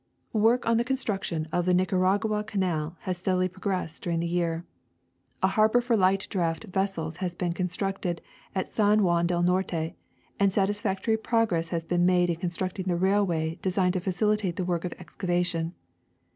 Work on the construction of the Nicaragua canal has steadily progressed during the year. A harbor for light draft vessels has been constructed at San Juan del Norte, and satisfactory progress has been made in constructing the railway designed to facilitate thd work of excavation.